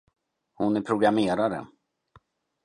Hon är programmerare.